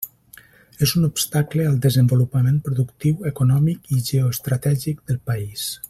És un obstacle al desenvolupament productiu, econòmic i geoestratègic del país.